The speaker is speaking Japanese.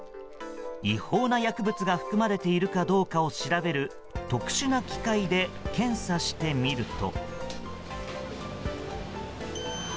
違法な薬物が含まれているかどうかを調べる特殊な機械で検査してみると。